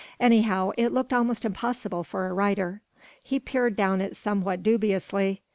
Anyhow, it looked almost impassable for a rider. He peered down it somewhat dubiously.